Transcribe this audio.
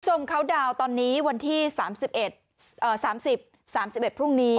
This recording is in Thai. เขาดาวน์ตอนนี้วันที่๓๑๓๐๓๑พรุ่งนี้